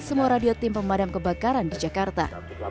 semua radio tim pemadam kebakaran di jakarta